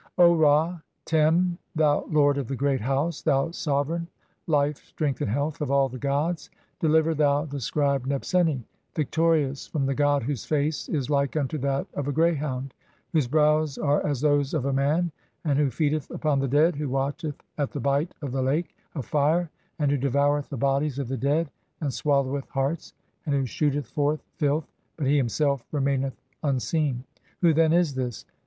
"O Ra (3g) Tem, thou lord of the Great House, 1 thou Sove reign (Life, Strength and Health!) of all the gods, deliver thou "the scribe Nebseni, victorious, from the god whose face (40) is "like unto that of a greyhound, whose brows are as those of a "man and who feedeth upon the dead, who watcheth at the "Bight of the Lake (41) of Fire, and who devoureth the bodies "of the dead and swalloweth hearts, and who shooteth forth "filth, but he himself remaineth unseen." Who then is (42) this?